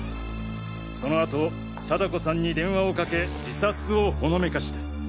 そのあと貞子さんに電話をかけ自殺をほのめかした。